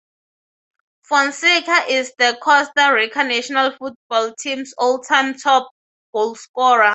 Fonseca is the Costa Rica national football team's all-time top goalscorer.